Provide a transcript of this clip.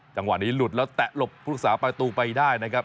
จังหวะนี้หลุดแล้วแตะหลบผู้รักษาประตูไปได้นะครับ